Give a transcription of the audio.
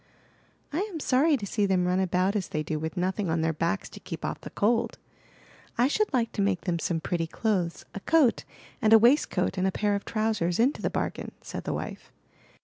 *'I am sorry to see them run about as they do with nothing on their backs to keep off the cold. I should like to make them some pretty clothes, a coat, and a waistcoat and a pair of trousers into the bargain," said the wife.